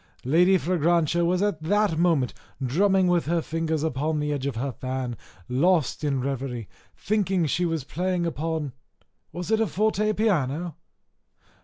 Lady Fragrantia was at that moment drumming with her fingers on the edge of her fan, lost in a reverie, thinking she was playing upon Was it a forte piano?